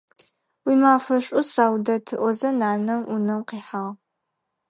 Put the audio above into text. Уимафэ шӀу, Саудэт! – ыӀозэ нанэ унэм къихьагъ.